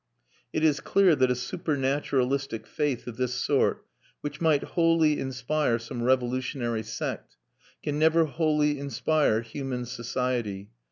It is clear that a supernaturalistic faith of this sort, which might wholly inspire some revolutionary sect, can never wholly inspire human society.